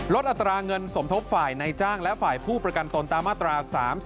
อัตราเงินสมทบฝ่ายในจ้างและฝ่ายผู้ประกันตนตามมาตรา๓๔